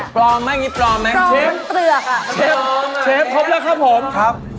พร้อมพร้อมสุขครับ